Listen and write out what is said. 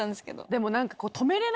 でも何か。